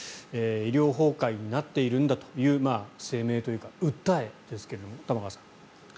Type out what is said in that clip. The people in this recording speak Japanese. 医療崩壊になっているんだという声明というか訴えですけれども。